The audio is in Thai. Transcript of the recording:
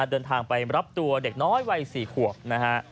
เดินทางไปรับตัวเด็กน้อยวัย๔ขวบนะฮะ